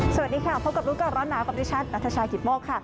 สวัสดีค่ะพบกับรู้ก่อนร้อนหนาวกับดิฉันนัทชายกิตโมกค่ะ